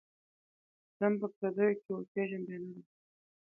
ځم په پردیو کي اوسېږمه بیا نه راځمه.